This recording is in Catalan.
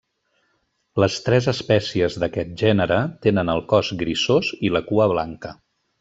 Les tres espècies d'aquest gènere tenen el cos grisós i la cua blanca.